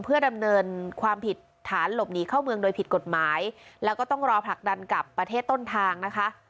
เพื่อดำเนินความผิดฐานหลบหนีเข้าเมืองโดยผิดกฎหมายแล้วก็ต้องรอผลักดันกับประเทศต้นทางนะคะ